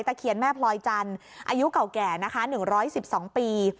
เคียนแม่พลอยจันทร์อายุเก่าแก่นะคะ๑๑๒ปี